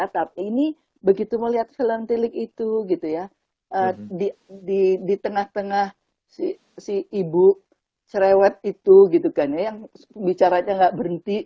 tapi ini begitu melihat film tile itu di tengah tengah si ibu cerewet itu yang bicaranya tidak berhenti